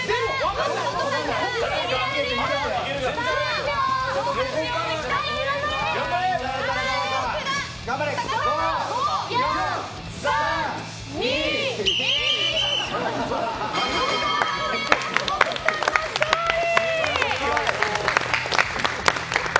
松本さんの勝利！